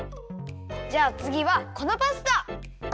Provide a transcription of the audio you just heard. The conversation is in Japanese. じゃあつぎはこのパスタ！